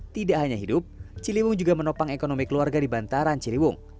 tidak hanya hidup ciliwung juga menopang ekonomi keluarga di bantaran ciliwung